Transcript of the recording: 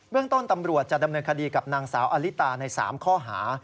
เรื่องต้นตำรวจจะดำเนินคดีกับนางสาวอลิตาใน๓ข้อหา